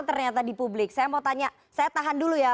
ternyata di publik saya mau tanya saya tak